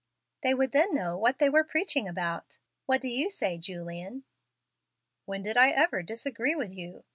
They would then know what they were preaching about. What do you say, Julian?" "When did I ever disagree with you?"